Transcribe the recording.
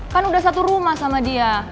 kan udah satu rumah sama dia